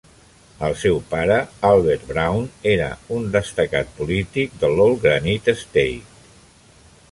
El seu pare, Albert Brown, era un destacat polític de l'Old Granite State.